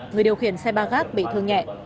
người điều khiển xe ba gác bị thương nhẹ